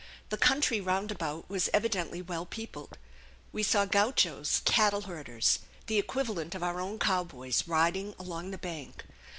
The country roundabout was evidently well peopled. We saw gauchos, cattle herders the equivalent of our own cowboys riding along the bank.